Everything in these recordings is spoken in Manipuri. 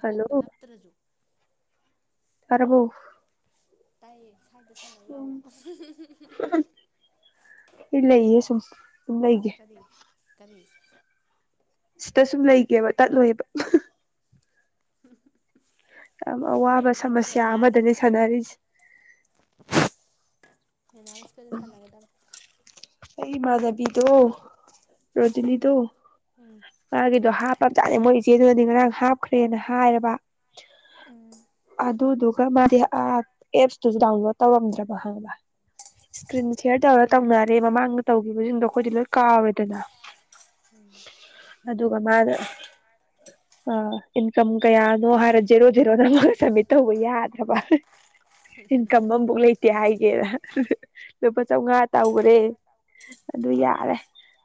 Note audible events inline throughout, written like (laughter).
ꯍꯜꯂꯣ ꯅꯞꯇ꯭ꯔꯖꯨ ꯇꯥꯔꯕꯣ ꯇꯥꯏꯌꯦ ꯁꯥꯏꯗ ꯁꯥꯟꯅꯧ ꯂꯥꯎꯋꯣ ꯑꯩ ꯂꯩꯌꯦ ꯁꯨꯝ ꯁꯨꯝ ꯂꯩꯒꯦ ꯀꯔꯤ ꯀꯔꯤ ꯁꯤꯗ ꯁꯨꯝ ꯂꯩꯒꯦꯕ ꯇꯠꯂꯣꯏꯕ ꯌꯥꯝ ꯑꯋꯥꯕ ꯅꯥꯀꯣꯡꯗ ꯁꯃꯁ꯭ꯌꯥ ꯅꯞꯇ꯭ꯔꯗꯤ ꯌꯥꯗꯦꯕ ꯑꯃꯗꯅꯦ ꯁꯥꯟꯅꯔꯤꯁꯦ ꯃꯤꯅꯥꯁꯀꯖꯨ ꯁꯥꯟꯅꯒꯗꯕꯅꯤ ꯑꯩ ꯏꯃꯥꯟꯅꯕꯤꯗꯣ ꯔꯣꯖꯤꯂꯤꯗꯣ ꯎꯝ ꯃꯥꯒꯤꯗꯣ ꯍꯥꯞꯄꯕꯖꯥꯠꯅꯤ ꯃꯣꯏ ꯏꯆꯦꯗꯨꯅꯗꯤ ꯉꯔꯥꯡ ꯍꯥꯞꯈ꯭ꯔꯦꯅ ꯍꯥꯏꯔꯕ ꯎꯝ ꯑꯗꯨꯗꯨꯒ ꯃꯥꯗꯤ ꯑ ꯑꯦꯞꯁꯇꯨꯖꯨ ꯗꯥ꯭ꯎꯟꯂꯣꯠ ꯇꯧꯔꯝꯗ꯭ꯔꯕ ꯈꯪꯉꯕ ꯃꯥꯅꯦ ꯏꯁꯀ꯭ꯔꯤꯟ ꯁꯤꯌ꯭ꯔ ꯇꯧꯔ ꯑꯗꯨꯝ ꯇꯧꯅꯔꯦ ꯃꯃꯥꯡꯗ ꯇꯧꯒꯤꯕꯖꯤꯡꯗꯣ ꯑꯩꯈꯣꯏꯗꯤ ꯂꯣꯏ ꯀꯥꯎꯔꯦꯗꯅ ꯎꯝ ꯑꯗꯨꯒ ꯃꯥꯅ (inaudible) ꯑ ꯏꯟꯀꯝ ꯀꯌꯥꯅꯣ ꯍꯥꯏꯔ ꯖꯦꯔꯣ ꯖꯦꯔꯣꯗ ꯃꯣꯏ ꯅꯒ ꯁꯃꯤꯠ ꯇꯧꯕ ꯌꯥꯗ꯭ꯔꯕ ꯏꯟꯀꯝ ꯑꯝꯕꯧ ꯂꯩꯇꯦ ꯍꯥꯏꯒꯦꯅ ꯂꯨꯄꯥ ꯆꯥꯎꯉꯥ ꯇꯧꯒꯔꯦ ꯑꯗꯨ ꯌꯥꯔꯦ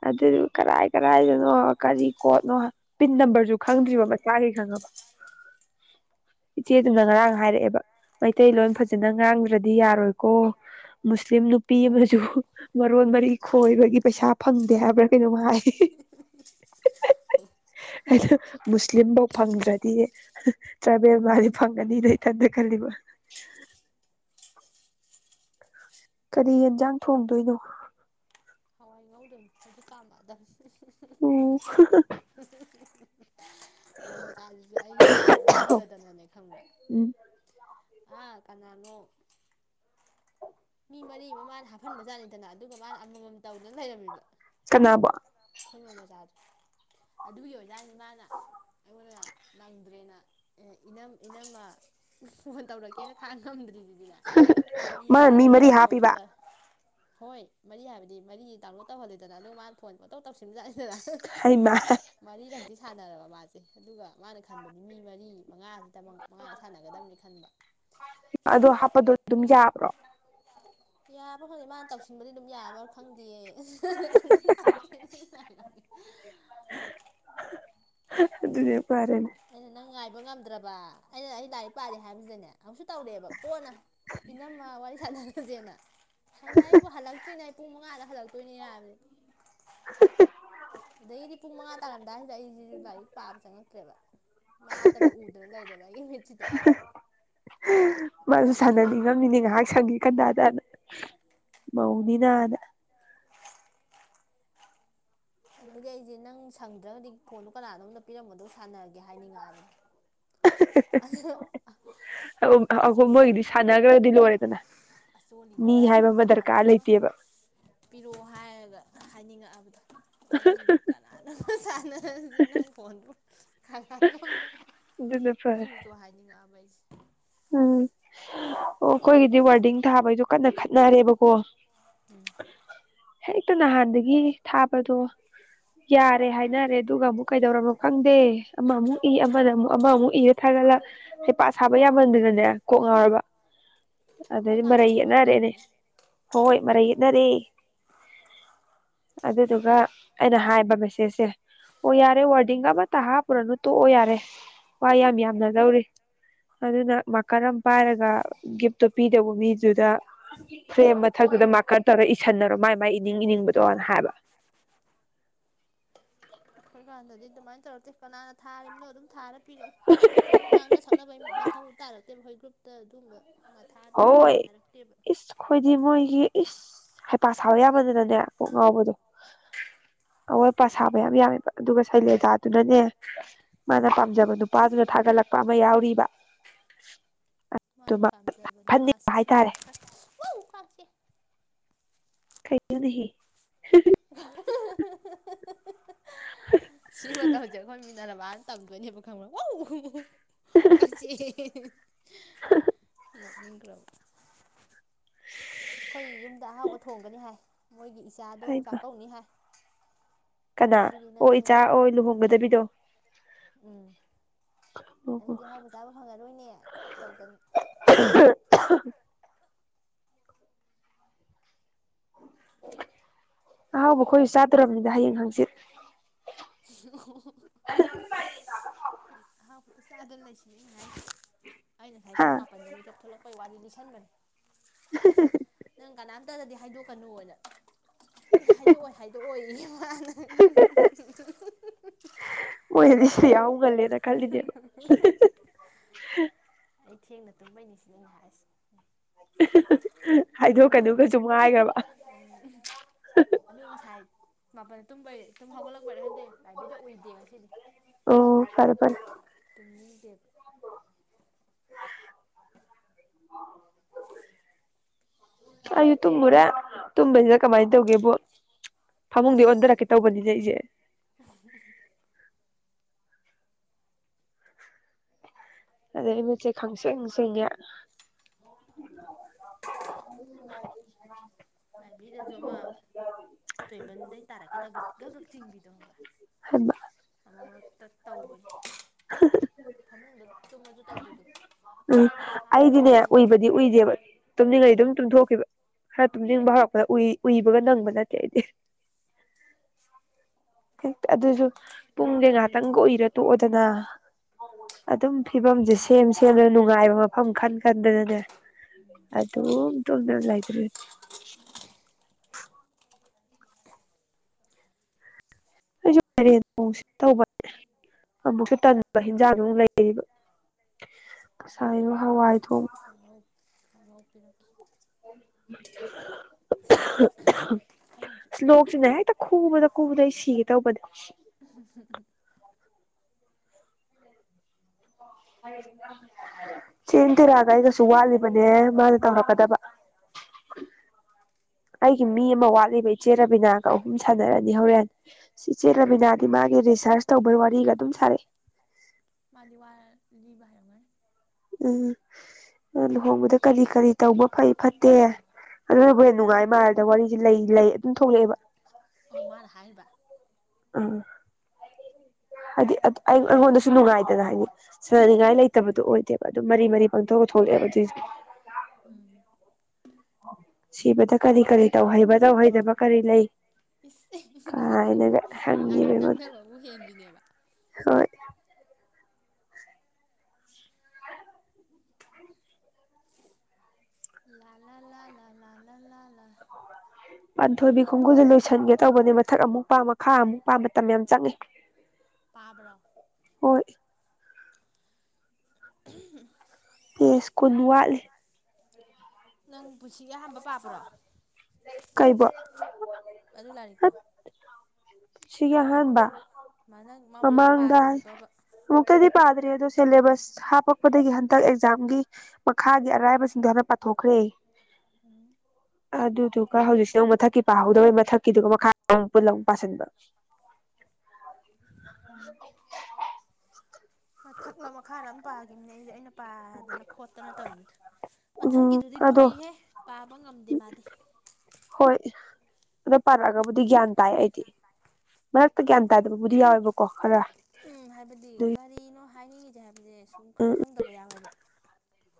ꯑꯗꯨ ꯀꯔꯥꯏ ꯀꯔꯥꯏꯗꯅꯣ ꯀꯔꯤ ꯀꯣꯠꯅꯣ ꯄꯤꯟ ꯅꯝꯕ꯭ꯔꯖꯨ ꯈꯪꯗ꯭ꯔꯤꯕ ꯃꯁꯥꯒꯤ ꯈꯪꯉꯕ ꯏꯆꯦꯗꯨꯅ ꯉꯔꯥꯡ ꯍꯥꯏꯔꯛꯑꯦꯕ ꯃꯩꯇꯩꯂꯣꯟ ꯐꯖꯅ ꯉꯥꯡꯗ꯭ꯔꯗꯤ ꯌꯥꯔꯣꯏꯀꯣ ꯃꯨꯁꯂꯤꯝ ꯅꯨꯄꯤ ꯑꯣ ꯑꯃꯁꯨ ꯃꯔꯣꯟ ꯃꯔꯤ ꯈꯣꯏꯕꯒꯤ ꯄꯩꯁꯥ ꯐꯪꯗꯦ ꯍꯥꯏꯕ꯭ꯔꯥ ꯀꯩꯅꯣꯝ ꯍꯥꯏ ꯑꯩꯅ ꯃꯨꯁꯂꯤꯝꯕꯩ ꯐꯪꯗ꯭ꯔꯗꯤ ꯇ꯭ꯔꯥꯏꯕꯦꯟ ꯃꯥꯗꯤ ꯐꯪꯉꯅꯤꯅ ꯏꯊꯟꯗ ꯈꯜꯂꯤꯕ ꯀꯔꯤ ꯌꯦꯟꯖꯥꯡ ꯊꯣꯡꯗꯣꯏꯅꯣ ꯍꯋꯥꯏ ꯉꯧꯗꯣꯏꯅꯤ ꯍꯧꯖꯤꯛ ꯀꯥꯝꯕ ꯑꯗ ꯎꯝ ꯍ ꯍ (unintelligible) ꯉꯧ ꯃꯆꯥꯖꯤꯁꯨ ꯑꯩꯖꯦ ꯉꯥꯏꯕ ꯉꯝꯗꯗꯅꯅꯦ ꯈꯪꯕ꯭ꯔꯥ ꯎꯝ ꯑꯥ ꯀꯅꯥꯥꯅꯣ ꯃꯤ ꯃꯔꯤ ꯑꯃ ꯃꯥꯅ ꯍꯥꯞꯍꯟꯕꯖꯥꯠꯅꯤꯗꯅ ꯑꯗꯨꯒ ꯃꯥꯅ ꯑꯃꯃꯝ ꯇꯧꯗꯨꯅ ꯂꯩꯔꯝꯃꯤꯕ ꯀꯅꯥꯅꯕꯣ ꯁꯩꯉꯣꯝ ꯃꯖꯥꯗꯣ ꯑꯗꯨꯒꯤ ꯑꯣꯖꯥꯅꯤ ꯃꯥꯅ ꯑꯩꯉꯣꯟꯗ ꯅꯪꯗ꯭ꯔꯦꯅ ꯑꯦ ꯏꯅꯝ ꯏꯅꯝꯃ ꯐꯣꯟ ꯇꯧꯔꯛꯀꯦꯅ ꯈꯥꯡ ꯉꯝꯗ꯭ꯔꯤꯗꯨꯗꯤꯅꯦ ꯃꯤ ꯃꯥ ꯃꯔꯤꯗꯨꯗ ꯃꯔꯤ ꯑꯃ ꯍꯥꯞꯄꯤꯕ ꯑꯝꯇ ꯍꯣꯏ ꯃꯔꯤ ꯍꯥꯏꯕꯗꯤ ꯃꯔꯤ ꯗꯥꯎꯟꯂꯣꯗ ꯇꯧꯍꯂꯦꯗꯅ ꯑꯗꯨ ꯃꯥꯅ ꯐꯣꯟ ꯑꯇꯧ ꯇꯧꯁꯤꯟꯕꯖꯠꯦꯗꯅ ꯍꯩꯃꯥ ꯃꯔꯤꯔꯛꯇꯤ ꯁꯥꯟꯅꯔꯕ ꯃꯥꯁꯦ ꯑꯗꯨꯒ ꯃꯥꯅ ꯈꯟꯕꯗꯤ ꯃꯤ ꯃꯔꯤ ꯃꯉꯥ ꯇꯃꯛ ꯃꯉꯥꯗ ꯁꯥꯟꯅꯒꯗꯕꯅꯤ ꯈꯟꯕ ꯑꯗꯣ ꯍꯥꯞꯄꯗꯣ ꯑꯗꯨꯝ ꯌꯥꯕ꯭ꯔꯣ ꯌꯥꯕ꯭ꯔ ꯈꯪꯗꯦ ꯃꯥꯅ ꯇꯧꯁꯤꯟꯕꯗꯤ ꯑꯗꯨꯝ ꯌꯥꯕ ꯈꯪꯗꯤꯌꯦ (unintelligible) ꯑꯗꯨꯅ ꯍꯦꯛ ꯐꯔꯦꯅꯤ ꯑꯩꯅ ꯅꯪ ꯉꯥꯏꯕ ꯉꯝꯗ꯭ꯔꯕ ꯑꯩꯅ ꯑꯩ ꯂꯥꯏꯔꯤꯛ ꯄꯥꯔꯤ ꯍꯥꯏꯕꯁꯤꯗꯅꯦ ꯑꯃꯨꯛꯁꯨ ꯇꯧꯔꯛꯑꯦꯕ ꯀꯣꯟꯅ ꯏꯅꯝꯃ ꯋꯥꯔꯤ ꯁꯥꯟꯅꯔꯁꯦꯅ ꯍꯩꯃꯥ ꯑꯩꯕꯨ ꯍꯜꯂꯛꯇ꯭ꯔꯤꯅꯦ ꯄꯨꯡ ꯃꯉꯥꯗ ꯍꯜꯂꯛꯇꯣꯏꯅꯤ ꯍꯥꯏꯕꯅꯦ ꯑꯗꯒꯤꯗꯤ ꯄꯨꯡ ꯃꯉꯥ ꯇꯥꯔꯝꯗꯥꯏꯁꯤꯗ ꯑꯩꯁꯤꯁꯨ ꯂꯥꯏꯔꯤꯛ ꯄꯥꯕ ꯆꯪꯉꯛꯇ꯭ꯔꯦꯕ ꯃꯥꯇꯕꯨ ꯎꯗꯅ ꯂꯩꯔꯦꯕ ꯑꯩꯒꯤ ꯃꯤꯠꯁꯤꯗ ꯑꯗꯩꯗꯤ ꯉꯝꯃꯤꯅꯦ ꯉꯥꯏꯍꯥꯛ ꯁꯪꯉꯤ ꯀꯟꯗꯥꯗꯅ ꯃꯧꯅꯤꯅꯅ ꯑꯗꯨꯒꯤ ꯑꯩꯁꯦ ꯅꯪ ꯁꯪꯗ꯭ꯔꯒꯗꯤ ꯐꯣꯟꯗꯣ ꯀꯅꯥꯅꯣꯝꯗ ꯄꯤꯔꯝꯃꯣ ꯑꯗꯨ ꯁꯥꯟꯅꯒꯦ ꯍꯥꯏꯅꯤꯡꯉꯛꯑꯕ ꯑꯗꯨ (unintelligible) ꯃꯣꯏꯒꯤꯗꯤ ꯑꯆꯣꯂꯤꯗꯔ ꯁꯥꯟꯅꯈ꯭ꯔꯗꯤ ꯂꯣꯏꯔꯦꯗꯅ ꯃꯤ ꯑꯆꯣꯂꯤꯗꯔ ꯍꯥꯏꯕ ꯑꯃ ꯗꯔꯀꯥꯔ ꯀꯅꯥꯗꯅꯣꯃ ꯂꯩꯇꯦꯕ ꯄꯤꯔꯛꯑꯣ ꯍꯥꯏꯔꯒ ꯍꯥꯏꯅꯤꯡꯉꯛꯑꯕꯗ ꯋꯥꯔꯤꯗꯨ ꯀꯅꯥꯅ ꯁꯥꯟꯅ ꯖꯤ ꯅꯪ ꯐꯣꯟꯗꯣ ꯀꯅꯥꯅꯣꯝꯗ ꯑꯗꯨꯅ ꯐꯔꯦ ꯄꯤꯔꯨꯆꯣ ꯍꯥꯏꯅꯤꯡꯉꯛꯑꯕ ꯑꯩꯁꯦ ꯎꯝ ꯑꯣ ꯑꯩꯈꯣꯏꯒꯤꯗꯤ ꯋꯥꯔꯗꯤꯡ ꯊꯥꯕꯩꯗꯣ ꯀꯟꯅ ꯈꯠꯅꯔꯦꯕꯀꯣ ꯎꯝ ꯍꯦꯛꯇ ꯅꯍꯥꯟꯗꯒꯤ ꯊꯥꯕꯗꯣ ꯌꯥꯔꯦ ꯍꯥꯏꯅꯔꯦ ꯑꯗꯨꯒ ꯑꯃꯨꯛ ꯀꯩꯗꯧꯔꯝꯅꯣ ꯈꯪꯗꯦ ꯑꯃꯃꯨꯛ ꯏ ꯑꯃꯗ ꯑꯃꯨꯛ ꯑꯃꯃꯨꯛ ꯏꯔ ꯊꯥꯒꯠꯂꯛ ꯍꯩꯄꯥ ꯁꯥꯕ ꯌꯥꯝꯃꯟꯗꯅꯅꯦ ꯀꯣꯛ ꯉꯥꯎꯔꯕ ꯑꯩꯈꯣꯏ ꯑꯗꯩꯗꯤ ꯀꯥꯟꯗꯗꯤ ꯃꯔꯩ ꯑꯗꯨꯃꯥꯏꯅ ꯌꯦꯠꯅꯔꯦꯅꯦ ꯇꯧꯗꯦꯉꯣ ꯍꯣꯏ ꯃꯔꯩ ꯑꯗꯨꯝ ꯌꯦꯠꯅꯔꯦ ꯑꯗꯨꯗꯨꯒ ꯑꯩꯅ ꯍꯥꯏꯕ ꯃꯦꯁꯦꯖꯁꯦ ꯑꯣ ꯌꯥꯔꯦ ꯋꯥꯔꯗꯤꯡꯒ ꯑꯃꯇ ꯍꯥꯞꯄꯨꯔꯅꯨ ꯇꯣꯛꯑꯣ ꯌꯥꯔꯦ ꯋꯥ ꯌꯥꯝ ꯌꯥꯝꯅ ꯗꯧꯔꯤ ꯑꯗꯨꯅ ꯃꯥꯀꯔ ꯑꯃ ꯄꯥꯏꯔꯒ ꯒꯤꯐꯇꯣ ꯄꯤꯗꯧꯕ ꯃꯤ ꯑꯗꯨꯗ ꯐ꯭ꯔꯦꯝ ꯃꯊꯛꯇꯨꯗ ꯃꯥꯔꯀꯔ ꯇꯧꯔ ꯏꯁꯤꯟꯅꯔꯣ ꯃꯥꯏ ꯃꯥꯏ ꯏꯅꯤꯡ ꯏꯅꯤꯡꯕꯗꯣꯅ ꯍꯥꯏꯕ ꯑꯩꯈꯣꯏ ꯀꯥꯟꯗꯗꯤ ꯑꯗꯨꯃꯥꯏꯅ ꯇꯧꯔꯛꯇꯦ ꯀꯅꯥꯅ ꯊꯥꯔꯤꯝꯅꯣ ꯑꯗꯨꯝ ꯊꯥꯔ ꯄꯤꯔꯛꯅꯤ ꯑꯗꯨꯝ ꯉꯥꯡꯅ ꯁꯛꯅꯕꯒꯤ ꯃꯊꯧ ꯇꯥꯔꯛꯇꯦꯕ ꯑꯩꯈꯣꯏ ꯒ꯭ꯔꯨꯞꯇ ꯑꯗꯨꯒꯨꯝꯕ ꯍꯣꯏ ꯑꯩꯈꯣꯏꯗꯤ ꯃꯣꯏꯒꯤ ꯏꯁ ꯍꯩꯄꯥ ꯁꯕ ꯌꯥꯝꯃꯟꯗꯅꯅꯦ ꯀꯣꯛ ꯉꯥꯎꯕꯗꯣ ꯑꯋꯣꯠ ꯑꯄꯥ ꯁꯥꯕ ꯌꯥꯝ ꯌꯥꯝꯃꯦꯕ ꯑꯗꯨꯒ ꯁꯩꯂꯦꯖꯥꯗꯨꯅꯅꯦ ꯃꯥꯅ ꯄꯥꯝꯖꯕ ꯅꯨꯄꯥꯗꯨꯅ ꯊꯥꯒꯠꯂꯛꯄ ꯑꯃ ꯌꯥꯎꯔꯤꯕ ꯃꯥꯅ ꯑꯗꯨꯃ ꯄꯥꯝꯖꯕ ꯐꯟꯅꯤꯡꯕ ꯅꯨꯄꯥꯁꯤꯁꯨ ꯍꯥꯏꯇꯥꯔꯦ ꯌꯥꯝ (unintelligible) ꯀꯥꯡ ꯆꯤꯛꯑꯦ ꯀꯩꯅꯣꯅꯦꯍꯦ (unintelligible) ꯁꯤ ꯃꯇꯧꯁꯦ ꯑꯩꯈꯣꯏ ꯃꯤꯅꯔꯕꯥꯅ ꯇꯝꯗꯣꯏꯅꯦꯕ ꯈꯪꯕ꯭ꯔ ꯋꯧ (unintelligible) ꯅꯣꯛꯅꯤꯡꯈ꯭ꯔꯕ ꯑꯩꯈꯣꯏ ꯌꯨꯝꯗ ꯑꯍꯥꯎꯕ ꯊꯣꯡꯒꯅꯤ ꯍꯥꯏ ꯃꯣꯏꯒꯤ ꯏꯆꯥꯗꯣ ꯍꯩꯃ ꯆꯥꯛꯀꯧꯅꯤ ꯍꯥꯏ ꯀꯅꯥ ꯑꯗꯨꯒꯤ ꯑꯣ ꯅꯪ ꯏꯆꯥ ꯑꯣ ꯂꯨꯍꯣꯡꯒꯗꯕꯤꯗꯣ ꯎꯝ ꯑꯣ ꯅꯪꯗꯤ ꯑꯣ ꯑꯍꯥꯎꯕ ꯆꯥꯕ ꯐꯪꯉꯔꯣꯏꯅꯦ ꯇꯧꯗꯅ (unintelligible) ꯑꯍꯥꯎꯕ ꯑꯩꯈꯣꯏꯁꯨ ꯆꯥꯗꯣꯔꯕꯅꯤꯅ ꯍꯌꯦꯡ ꯍꯪꯆꯤꯠ (unintelligible) ꯑꯍꯥꯎꯄꯗ ꯆꯥꯗꯨꯅ ꯂꯩꯁꯤꯅꯦ ꯑꯩꯅ ꯍꯥꯏ (unintelligible) ꯑꯩ ꯉꯁꯥꯏ ꯍꯥ ꯄꯨꯡ ꯃꯥꯄꯟꯗ ꯃꯤꯀꯞ ꯊꯣꯛꯂꯛꯄꯩ ꯋꯥꯔꯤ ꯂꯤꯁꯟꯕꯅꯦ (unintelligible) ꯅꯪ ꯀꯅꯥꯝꯇꯗꯗꯤ ꯍꯥꯏꯗꯣꯛꯀꯅꯨꯅ ꯍꯥꯏꯗꯣꯛꯑꯣꯏ ꯍꯥꯏꯗꯣꯛꯑꯣꯏ ꯃꯥꯅ ꯃꫭꯏꯅꯗꯤ ꯌꯥꯎꯍꯧ ꯉꯟꯂ‌ꯦꯅ ꯈꯜꯂꯤꯅ‌ꯦꯕ ꯑꯩ ꯊꯦꯡꯅ ꯇꯨꯝꯕꯩꯅꯤ ꯁꯤꯅꯦ ꯑꯩꯅ ꯍꯥꯏꯁ‌ꯦ ꯍꯥꯏꯗꯣꯛꯀꯅꯨꯒꯁꯨ ꯉꯥꯏꯈ꯭ꯔꯕ ꯎꯝ ꯑꯗꯨ ꯉꯁꯥꯏ ꯃꯥꯄꯜꯗ ꯇꯨꯝꯕꯩ ꯇꯨꯝ ꯍꯧꯒꯠꯂꯛꯄꯔ ꯈꯟꯗꯦ ꯂꯥꯏꯕꯦꯔꯤꯗ ꯎꯧꯏꯗꯦ ꯉꯁꯤꯗꯤ ꯑꯣ ꯐꯔ‌ꯦ ꯐꯔ‌ꯦ ꯇꯨꯝꯅꯤꯡ ꯗꯦꯕ ꯑꯩꯖꯨ ꯇꯨꯝꯃꯨꯔꯦ ꯇꯨꯝꯕꯖꯤꯗ ꯀꯃꯥꯏꯅ ꯇꯧꯒꯦꯕꯨ ꯐꯃꯨꯡꯗꯤ ꯑꯣꯟꯊꯔꯛꯀꯦ ꯇꯧꯕꯅꯤꯅꯦ ꯑꯩꯁꯦ ꯍ (unintelligible) ꯑꯗꯨꯗꯩ ꯃꯤꯠꯆꯦ ꯈꯪꯁꯦꯡꯁꯦꯡꯉ‌ꯦ (unintelligible) ꯂꯥꯏꯕ꯭ꯔꯦꯔꯤꯗꯁꯨ ꯑꯃ ꯇ‌ꯦꯕꯟꯗꯩ ꯇꯥꯔꯛꯀꯦ ꯇꯧꯕ ꯈꯛ ꯈꯛ ꯆꯤꯡꯕꯤꯗꯣ ꯈꯪꯕ꯭ꯔꯥ ꯍꯥꯏꯕ ꯑꯃꯨ ꯃꯔꯛꯇ ꯇꯧꯕꯅꯤ ꯍꯦꯛ ꯐꯃꯨꯡꯗ ꯇꯨꯝꯃꯁꯨ ꯇꯧꯕꯤꯗꯣ ꯎꯝ ꯏꯁꯥ ꯑꯩꯗꯤꯅꯦ ꯂ‌ꯦꯡꯕꯤꯅ ꯎꯏꯕꯗꯤ ꯂꯩꯕꯗꫭ ꯎꯏꯗꯦꯕ ꯇꯨꯝꯅꯤꯡꯉꯩ ꯑꯗꯨꯝ ꯇꯨꯝꯊꯣꯛꯈꯤꯕ ꯈꯔ ꯇꯨꯝꯅꯤꯡꯕ ꯍꯧꯔꯛꯄꯗ ꯎꯏ ꯎꯏꯕꯒ ꯅꯪꯕ ꯅꯠꯇꯦ ꯑꯩꯗꯤ (unintelligible) ꯍꯦꯛꯇ ꯑꯗꯨꯁꯨ ꯄꯨꯡꯖ‌ꯦ ꯉꯥꯛꯇꯪꯒ ꯎꯏꯔ ꯇꯣꯛꯑꯣꯗꯅ ꯑꯗꯨꯝ ꯐꯤꯕꯝꯁꯦ ꯁꯦꯝ ꯁꯦꯝꯂꯒ ꯅꯨꯡꯉꯥꯏꯕ ꯐꯝ ꯈꯟ ꯈꯟꯗꯅꯅꯦ ꯑꯗꯨꯝ ꯇꯨꯝꯗꯅ ꯂꯩꯗꯔꫭꯔꯤꯃꯤ ꯍꯧꯖꯤꯛ ꯐꯔꯦ (unintelligible) ꯇꯧꯕ ꯑꯃꯨꯛꯁꯨ ꯇꯟꯕ ꯍꯤꯟꯖꯥꯡꯗꯨꯛ (unintelligible) ꯂꯩꯔꯤꯕ ꯉꯁꯥꯏ ꯊꯣꯡꯉꫭꯔꯅꯨ ꯍꯋꯥꯏ ꯊꯣꯡꯕ ꯀꯥꯡꯍꯧ ꯀꯥꯡꯍꯧ ꯄꯤꯔꯛꯀ‌ꯦ (unintelligible) ꯑꯩꯖꯨ ꯑꯁ ꯂꯣꯛꯁꯤꯅ ꯍꯦꯛꯇ ꯈꯨꯕꯗ ꯈꯨꯕꯗ ꯑꯩ ꯁꯤꯒꯦ ꯇꯧꯕꯅꯦ ꯍ ꯍ (unintelligible) ꯍꯥꯏ (unintelligible) ꯆꯦꯡ ꯊꯤꯔꯒ (unintelligible) ꯑꯩꯒꯁꯨ ꯋꯥꯠꯂꯤꯕꯅꯦ ꯃꯥꯒꯤ ꯇꯧꯔꯛꯀꯗꯕ (inaudible) ꯑꯩꯒꯤ ꯃꯤ ꯑꯃ ꯋꯥꯠꯂꯤꯕ ꯏꯆꯦ ꯔꯕꯤꯅꯥꯒ ꯑꯍꯨꯝ ꯁꯥꯟꯅꯔꯅꯤ ꯍꯣꯔꯦꯟ ꯁꯤ ꯆꯦꯔꯕꯤꯅꯥꯗꯤ ꯃꯥꯒꯤ ꯔꯤꯁꯥꯔꯁ ꯇꯧꯕ ꯋꯥꯔꯤꯒ ꯑꯗꯨꯝ ꯁꯥꯔꯛꯑꯦ ꯃꯥꯗꯤ ꯋꯥ ꯂꯤꯕ ꯍꯩꯔꯝꯒꯅꯤ ꯎꯝ ꯂꯨꯍꯣꯡꯕꯗ ꯀꯔꯤ ꯀꯔꯤ ꯇꯧꯕ ꯐꯩ ꯐꯠꯇꯦ ꯑꯗꯨꯅꯕꯨ ꯍꯦꯟ ꯅꯨꯡꯉꯥꯏ ꯃꯥꯜꯂꯦꯗ ꯋꯥꯔꯤꯁꯦ ꯂꯩ ꯂꯩ ꯑꯗꯨꯝ ꯊꯣꯛꯂꯛꯑꯦꯕ ꯑꯣ ꯃꯥꯥꯅ ꯍꯥꯏꯔꯤꯕ ꯑꯥ ꯍꯥꯏꯗꯤ ꯑꯩ ꯑꯩꯉꯣꯟꯗꯁꯨ ꯅꯨꯡꯉꯥꯏꯗꯅ ꯍꯥꯏꯗꯤ ꯁꯟꯅꯤꯡꯉꯥꯏ ꯂꯩꯇꯕꯗꯨ ꯑꯣꯏꯗꯦꯕ ꯑꯗꯨꯝ ꯃꯔꯤ ꯃꯔꯤ ꯄꯥꯡꯊꯣꯛꯑ ꯊꯣꯛꯂꯛꯑꯦꯕ ꯑꯗꯨꯖꯤꯛ (unintelligible) ꯎꯝ ꯁꯤꯕꯗ ꯀꯔꯤ ꯀꯔꯤ ꯇꯧꯍꯩꯕ ꯇꯧꯍꯩꯗꯕ ꯀꯔꯤ ꯂꯩ ꯀꯥꯏꯅꯒ ꯍꯪꯉꯦꯕ ꯂꯥꯏꯔꯤꯛ ꯑꯩꯉꯣꯟꯗ ꯇꯥꯛꯅꯕꯕꯨ ꯍꯦꯟꯕꯤꯅꯦꯕ ꯍꯣꯏ ꯂꯥ ꯂꯥ ꯂꯥ ꯂꯥ ꯂꯥꯥ ꯂꯥ ꯂꯥꯥ ꯂꯥ ꯄꯥꯟꯊꯣꯏꯕꯤ ꯈꯣꯡꯒꯨꯜꯁꯦ ꯂꯣꯏꯁꯤꯟꯒꯦ ꯇꯧꯕꯅꯦ ꯃꯊꯛ ꯑꯃꯨꯛ ꯄꯥꯝ ꯃꯈꯥ ꯑꯃꯨꯛ ꯄꯥꯝ ꯃꯇꯝ ꯌꯥꯝ ꯆꯪꯉꯦ ꯄꯥꯕ꯭ꯔꯣ ꯍꯣꯏ ꯄꯦꯁ ꯀꯨꯟ ꯋꯥꯠꯂꯤ ꯅꯪ ꯄꯨꯟꯁꯤꯒꯤ ꯑꯍꯥꯟꯕ ꯄꯥꯕ꯭ꯔꯣ ꯀꯩꯕꯣ ꯑꯗꯨ ꯂꯥꯏꯔꯤꯛꯇꯣ ꯄꯨꯟꯁꯤꯒꯤ ꯑꯍꯥꯟꯕ ꯃꯃꯥꯡ ꯅꯪ ꯃꯃꯥꯡꯗ ꯄꯥꯗ꯭ꯔꯤꯕꯕ ꯑꯃꯨꯛꯇꯗꯤ ꯄꯥꯗ꯭ꯔꯤ ꯑꯗꯣ ꯁꯤꯂꯦꯕꯁ ꯍꯥꯞꯄꯛꯄꯗꯒꯤ ꯍꯟꯗꯛ ꯑꯦꯛꯖꯥꯝꯒꯤ ꯃꯈꯥꯒꯤ ꯑꯔꯥꯏꯕꯁꯤꯡꯗꯣ ꯍꯥꯟꯅ ꯄꯥꯊꯣꯛꯈ꯭ꯔꯦ ꯎꯝ ꯑꯗꯨꯗꯨꯒ ꯍꯧꯖꯤꯛꯁꯤꯅ ꯑꯃꯨꯛ ꯃꯊꯛꯀꯤ ꯄꯥꯍꯧꯗꯕ ꯃꯊꯛꯀꯤꯗꯨꯒ ꯃꯈꯥꯗꯨꯒ ꯄꯨꯜꯂ ꯑꯃꯨꯛ ꯄꯥꯥꯁꯟꯕ ꯍꯝ ꯃꯊꯛꯔ ꯃꯈꯥꯔ ꯑꯃ ꯄꯥꯒꯤꯕꯅꯦ ꯑꯩꯖꯦ ꯑꯩꯅ ꯄꯥꯗꯅ ꯈꯣꯠꯇꯅ ꯇꯧꯋꯤꯗ ꯎꯝ ꯃꯊꯛꯀꯤꯗꯨꯗꯤ ꯑꯗꯣ ꯂꯨꯏꯍꯦ ꯄꯥꯕ ꯉꯝꯗꯦ ꯃꯥꯗꯤ ꯍꯣꯏ ꯑꯗꯣ ꯄꯥꯔꯛꯑ ꯒꯕꯨꯗꯤ ꯒ꯭ꯌꯥꯟ ꯇꯥꯏ ꯑꯩꯗꯤ ꯃꯔꯛꯇ ꯒ꯭ꯌꯥꯟ ꯇꯥꯗꯕꯕꯨꯗꯤ ꯌꯥꯎꯋꯦꯕꯀꯣ ꯈꯔ ꯎꯝ ꯍꯥꯏꯕꯗꯤ ꯑꯗꯨ ꯀꯔꯤꯅꯣ ꯍꯥꯏꯅꯤꯡꯉꯤꯁꯦ ꯍꯥꯏꯕꯁꯦ ꯁꯨꯝ ꯈꯪ ꯎꯝ ꯈꯪꯗꯕ ꯌꯥꯎꯑꯦꯕ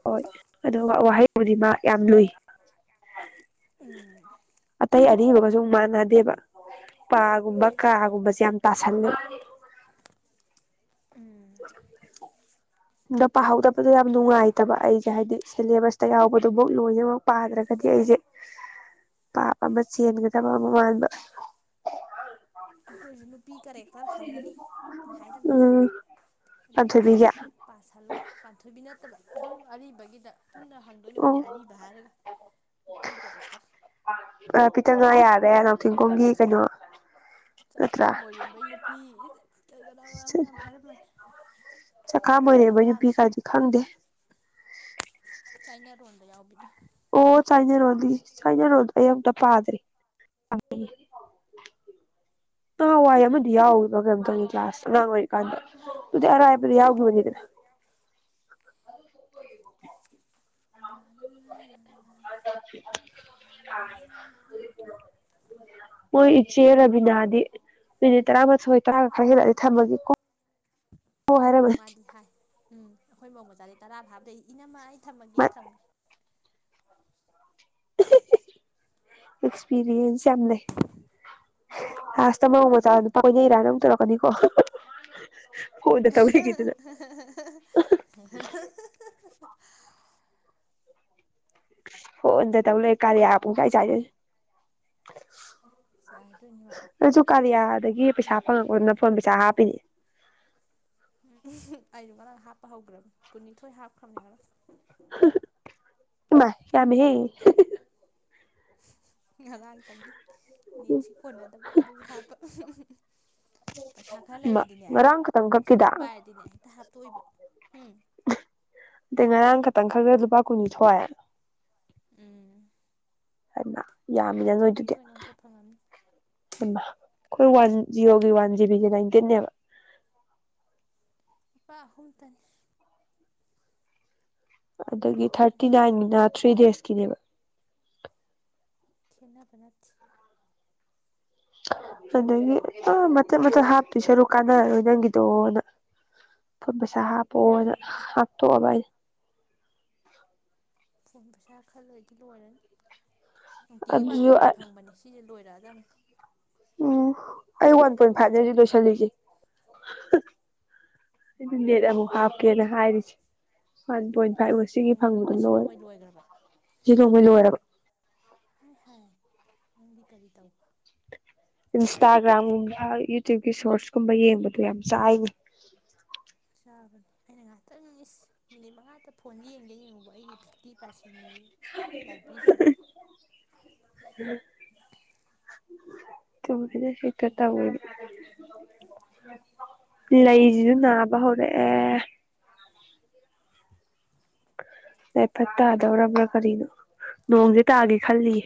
ꯍꯣꯏ ꯑꯗꯨꯒ ꯋꯥꯍꯩꯕꯨꯗꯤ ꯃꯥ ꯌꯥꯝ ꯂꯨꯏ ꯎꯝ ꯑꯇꯩ ꯑꯔꯤꯕꯒꯁꯨ ꯃꯥꯟꯅꯗꯦꯕ ꯄꯥꯒꯨꯝꯕ ꯀꯥꯒꯨꯝꯕꯁꯦ ꯌꯥꯝ ꯇꯥꯁꯜꯂꯦ ꯎꯝ (unintelligible) ꯗꯣ ꯄꯥꯍꯧꯗꯕꯗꯣ ꯌꯥꯝ ꯅꯨꯡꯉꯥꯏꯇꯕ ꯑꯩꯁꯦ ꯍꯥꯏꯗꯤ ꯁꯤꯂꯦꯕꯁꯇ ꯌꯥꯎꯕꯗꯨꯕꯨꯛ ꯂꯣꯏꯅꯃꯛ ꯄꯥꯗ꯭ꯔꯒꯗꯤ ꯑꯩꯖꯦ (inaudible) ꯄꯥꯞ ꯑꯃ ꯆꯦꯟꯒꯗꯕ ꯑꯃꯨꯛ ꯃꯥꯟꯕ ꯑꯩꯈꯣꯏꯁꯨ ꯅꯨꯄꯤ ꯀꯦꯔꯦꯛꯇꯔ ꯍꯪꯒꯅꯤ ꯍꯥꯏꯔꯝꯃꯤ ꯎꯝ ꯑꯗꯨꯝ ꯁꯤ ꯄꯥꯟꯊꯣꯏꯕꯤꯒꯤ ꯄꯥꯁꯜꯂꯣ ꯄꯥꯟꯊꯣꯏꯕꯤ ꯅꯠꯇꯕ ꯑꯗꯨꯝ ꯑꯔꯤꯕꯒꯤꯗ ꯄꯨꯟꯅ ꯍꯪꯗꯣꯏꯅꯤ ꯑꯣ ꯈꯣꯏꯗꯤ ꯑꯔꯤꯕ ꯗ ꯍꯥꯢꯔꯒ ꯅꯨꯄꯤ ꯀꯔꯦꯛꯇꯔ ꯑ ꯄꯤꯇꯪ ꯉꯥ ꯌꯥꯔꯦ ꯅꯥꯎꯊꯤꯡꯈꯣꯡꯒꯤ ꯀꯩꯅꯣ ꯆꯈꯥ ꯅꯠꯇ꯭ꯔꯥ ꯃꯣꯏꯔꯦꯝꯕꯩ ꯅꯨꯄꯤ ꯀꯩ ꯀꯅꯥ ꯀꯅꯥꯅꯣ ꯃꯌꯥꯝ ꯍꯥꯏꯔꯝꯕꯅꯦ ꯑꯣꯖꯥ ꯆꯈꯥꯃꯣꯏꯔꯦꯝꯕꯩ ꯇꯝꯐꯥ ꯅ ꯅꯨꯄꯤ ꯀꯥꯏꯗꯤ ꯈꯪꯗꯦ ꯆꯥꯏꯅꯥꯔꯣꯜꯗ ꯌꯥꯎꯕꯤꯗꯣ ꯑꯣ ꯆꯥꯏꯅꯔꯣꯗꯤ ꯆꯥꯏꯅꯔꯣ ꯗꯣ ꯑꯩ ꯑꯃꯨꯛꯇ ꯄꯥꯗ꯭ꯔꯤ ꯅꯍꯥꯟꯋꯥꯏ ꯑꯃꯗꯤ ꯌꯥꯎꯒꯤꯕ ꯀꯩꯅꯣꯝ ꯇꯧꯕꯅꯤ ꯀ꯭ꯂꯥꯁ ꯇ ꯑꯉꯥꯡ ꯑꯣꯏꯔꯤꯀꯥꯟꯗ ꯗꯨꯗꯤ ꯑꯔꯥꯏꯕ꯭ꯔ ꯌꯥꯎꯒꯤꯕꯅꯤꯗꯅ (unintelligible) (unintelligible) (unintelligible) ꯃꯣꯏ ꯏꯆꯦ ꯔꯥꯕꯤꯅꯥꯗꯤ ꯃꯤꯅꯤꯠ ꯇꯔꯥꯃꯥꯊꯣꯏ ꯇꯔꯥꯒ ꯈꯔ ꯐꯥꯖꯜꯂꯗꯤ ꯊꯝꯃꯒꯦ ꯀꯣ ꯎꯝ ꯃꯥꯗꯤ ꯍꯥꯏ ꯎꯝ ꯑꯩꯈꯣꯏ ꯃꯣꯃꯣꯆꯥꯗꯤ ꯇꯔꯥ ꯐꯥꯕꯗꯩ ꯏꯅꯝꯃ ꯑꯩ ꯊꯝꯃꯒꯦ ꯃꯥ ꯊꯝꯒ꯭ꯔꯦ (inaudible) ꯑꯦꯛꯁꯄꯤꯔꯤꯌꯦꯟꯁ ꯌꯥꯝ ꯂꯩ ꯍꯥ ꯆꯃꯧ ꯉꯥꯏ ꯃꯆꯥ ꯅꯨꯄꯥ ꯀꯣꯏꯅꯩ ꯉꯝꯗꯕꯤꯅꯦ ꯀꯥꯏꯅ ꯑꯃꯨꯛ ꯃꯥꯁꯦ ꯇꯧꯔꯛꯀꯅꯤꯀꯣ (inaudible) (unintelligible) ꯐꯣꯟ ꯗ ꯇꯧ ꯂꯩ ꯀꯥꯔꯤꯌꯥ ꯄꯨꯡꯆꯥꯏ ꯆꯥꯏꯖꯅꯤ ꯆꯥꯏꯗꯣꯏꯅꯤ ꯃꯥ ꯑꯩꯁꯨ ꯀꯥꯔꯤꯌꯥꯗꯒꯤ ꯄꯩꯁꯥ ꯃꯤꯠ ꯐꯪꯉꯛꯄꯗꯨꯅ ꯐꯣꯟ ꯄꯩꯁꯥ ꯍꯥꯞꯄꯤꯅꯦ (inaudible) ꯑꯩꯁꯨ ꯉꯔꯥꯡ ꯍꯥꯞꯄ ꯍꯧꯈ꯭ꯔꯕꯅꯤ ꯀꯨꯟꯅꯤꯊꯣꯏ ꯍꯥꯞꯈ꯭ꯔꯕꯅꯤ ꯉꯔꯥꯡ (inaudible) ꯏꯃꯥꯏ ꯌꯥꯝꯃꯦꯍꯦ ꯉꯔꯥꯡꯇꯪꯒꯤ ꯅꯦꯠꯁꯤ ꯀꯣꯟꯅꯗꯕ ꯑꯗꯨꯒꯤ ꯍꯥꯞꯄ (inaudible) ꯄꯩꯁꯥ ꯈꯔ ꯂꯩꯔꯗꯤꯅꯦ ꯉꯔꯥꯡ ꯈꯛꯇꯪ ꯄꯩꯁꯥ ꯈꯛꯀꯤꯗ ꯈꯔ ꯄꯥꯏꯔꯗꯤꯅꯦ ꯍꯦꯛꯇ ꯍꯥꯞꯇꯣꯛꯏꯕ ꯍꯨꯝ (inaudible) ꯑꯗꯩ ꯉꯔꯥꯡ ꯈꯛꯇꯪ ꯈꯟꯂꯒ ꯂꯨꯄꯥ ꯀꯨꯟ ꯁꯣꯛꯑꯦ ꯎꯝ ꯍꯥꯏꯃ ꯋꯥꯟ ꯌꯥꯝꯃꯤꯅ ꯖꯤꯕꯤ ꯔ ꯅꯣꯏꯗꯨꯗꯤ ꯀꯩꯅꯣ ꯈꯛꯇ ꯐꯪꯉꯝꯅꯤ ꯍꯩꯃ ꯑꯩꯈꯣꯏ ꯋꯥꯟ ꯖꯤꯑꯣꯒꯤ ꯋꯥꯟ ꯖꯤꯕꯤꯗꯤ ꯅꯥꯏꯟꯇꯤꯟꯅꯦꯕ ꯂꯨꯄꯥ ꯑꯍꯨꯝꯇꯅꯤ ꯑꯗꯒꯤ ꯊꯥꯔꯇꯤ ꯀꯩꯁꯨ ꯅꯥꯏꯟꯒꯤꯅ ꯊ꯭ꯔꯤ ꯗꯦꯁꯀꯤꯅꯦꯕ ꯈꯦꯠꯅꯕ ꯅꯠꯇꯦ ꯑꯗꯒꯤ ꯑ ꯃꯆꯠ ꯃꯆꯠ ꯍꯥꯞꯇꯣꯏꯁꯔꯨ ꯀꯥꯟꯅꯔꯔꯣꯏ ꯅꯪꯒꯤꯗꯣꯅ ꯐꯣꯟ ꯄꯩꯁꯥ ꯍꯥꯞꯄꯣꯅ ꯍꯥꯞꯇꯣꯛ ꯑꯕ ꯑꯩ ꯐꯣꯟ ꯄꯩꯁꯥ ꯈꯔꯂꯣꯏꯗꯤ ꯂꯣꯏꯔꯅꯤ ꯅꯨꯡꯇꯤꯒꯤ ꯋꯥꯟ ꯑꯗꯨꯁꯨ ꯖꯤꯕꯤ ꯐꯪꯕꯅꯦꯦ ꯁꯤꯁꯦ ꯂꯣꯏꯔꯛꯑꯗꯕꯅꯤ ꯎꯝ ꯑꯩ ꯋꯥꯟ ꯁꯤ ꯄꯣꯏꯟ ꯐꯥꯏꯚꯅꯗꯤ ꯂꯣꯏꯗ꯭ꯔꯤꯉꯩꯗ ꯂꯣꯏꯁꯤꯜꯂꯤꯒꯦ (inaudible) ꯅꯦꯠ ꯑꯃꯨꯛ ꯍꯥꯞꯀꯦꯅ ꯍꯥꯏꯔꯤꯁꯦ ꯋꯥꯟ ꯄꯣꯏꯟ ꯐꯥꯏꯚ ꯑꯣꯏ ꯁꯤꯒꯤ ꯅꯣꯡꯃꯒꯤ ꯐꯪꯕꯗꯣ ꯉꯁꯤ ꯂꯣꯏꯔ ꯅꯣꯡꯃꯩ ꯂꯣꯏꯈ꯭ꯔꯕ ꯁꯤ ꯅꯣꯡꯕꯩ ꯂꯣꯏꯔꯕ ꯍꯥꯏ ꯍꯥꯏ ꯅꯪꯗꯤ ꯀꯔꯤ ꯇꯧꯕ ꯏꯟꯁꯇꯥꯒ꯭ꯔꯥꯝꯒꯨꯝꯕ ꯌꯨꯇ꯭ꯌꯨꯕꯀꯤ ꯁꯣꯔꯁ ꯀꯨꯝꯕ ꯌꯦꯡꯕꯗꯣ ꯌꯥꯝ ꯆꯥꯏꯅꯤ ꯆꯥꯕꯅꯤ ꯑꯩꯅ ꯉꯥꯏꯍꯥꯛꯇꯪ ꯏꯁ ꯃꯤꯅꯤꯠ ꯃꯉꯥꯗ ꯐꯣꯟꯁꯦ ꯌꯦꯡꯒꯦ ꯌꯦꯡꯉꯨꯕ ꯑꯩꯒꯤ ꯐꯤꯞꯇꯤ ꯄꯥꯔꯁꯦꯟꯅꯤ ꯂꯥꯏꯕ꯭ꯔꯦꯔꯤꯁꯤꯗ ꯎ ꯇ ꯁꯤꯇ ꯇꯕꯨ ꯂꯩꯁꯤꯁꯨ ꯅꯥꯕ ꯍꯧꯔꯛꯑꯦ ꯌꯥꯐꯠ ꯇꯥꯗꯧꯔꯕ꯭ꯔꯥ ꯀꯔꯤꯅꯣ ꯅꯣꯡꯁꯦ ꯇꯥꯒꯦ ꯈꯜꯂꯤ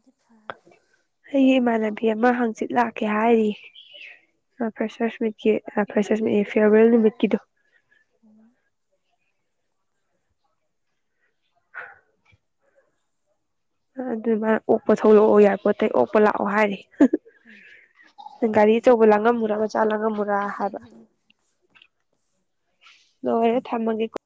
(inaudible) ꯑꯩꯒꯤ ꯏꯃꯥꯟꯅꯕꯤ ꯑꯃ ꯍꯪꯆꯤꯠ ꯂꯥꯛꯀꯦ ꯍꯥꯏꯔꯤ ꯐ꯭ꯔꯁꯁ ꯃꯤꯠꯀꯤ ꯐꯁꯁꯠ ꯐꯦꯔꯋꯦꯜ ꯅꯨꯃꯤꯠꯀꯤꯗꯨꯣ ꯎꯝ ꯑꯗꯨꯃꯥꯏꯅ ꯑꯣꯛꯄ ꯊꯣꯛꯂꯛꯑꯣ ꯌꯥꯏ ꯄꯣꯠꯇꯩꯩ ꯑꯣꯛꯄ ꯂꯥꯛꯑꯣ ꯍꯥꯏꯔꯤ ꯎꯝ ꯒꯥꯔꯤ ꯑꯆꯧꯕ ꯂꯥꯡꯉꯝꯃꯨꯔꯥ ꯃꯆꯥ ꯂꯥꯡꯉꯝꯃꯨꯔꯥ ꯍꯥꯏꯕ ꯔ ꯊꯝꯃꯒꯦ